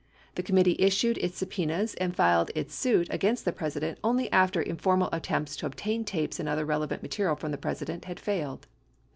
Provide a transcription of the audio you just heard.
The committee issued its subpenas and filed its suit against the Presi dent only after informal attempts to obtain tapes and other relevant material from the President had failed.